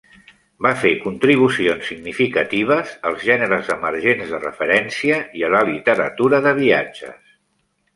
Va fer contribucions significatives als gèneres emergents de referència i a la literatura de viatges.